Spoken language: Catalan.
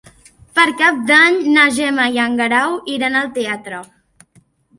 Per Cap d'Any na Gemma i en Guerau iran al teatre.